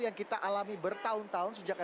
yang kita alami bertahun tahun sejak